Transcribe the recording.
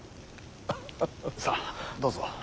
さあどうぞ。